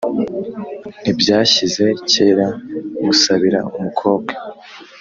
Ntibyashyize kera, Musabira umukobwa